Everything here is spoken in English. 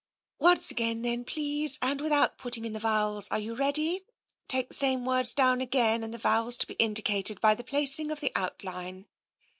"Once again then, please, and without putting in the vowels. Are you ready? Take the same words down again and the vowels to be indicated by the plac ing of the outline."